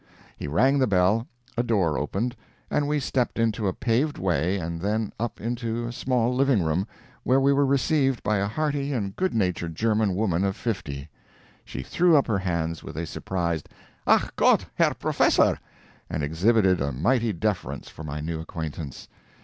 He rang the bell, a door opened, and we stepped into a paved way and then up into a small living room, where we were received by a hearty and good natured German woman of fifty. She threw up her hands with a surprised "ACH GOTT, HERR PROFESSOR!" and exhibited a mighty deference for my new acquaintance.